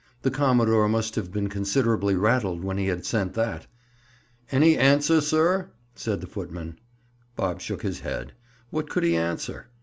The commodore must have been considerably rattled when he had sent that. "Any answer, sir?" said the footman. Bob shook his head. What could he answer?